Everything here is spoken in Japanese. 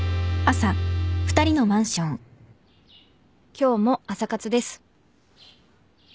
「今日も朝活です」